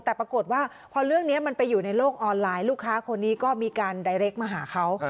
แต่ปรากฏว่าพอเรื่องนี้มันไปอยู่ในโลกออนไลน์ลูกค้าคนนี้ก็มีการไดเรคมาหาเขา